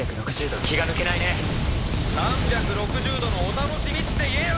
通信：大和）３６０度のお楽しみって言えよ！